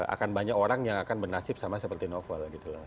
akan banyak orang yang akan bernasib sama seperti novel gitu loh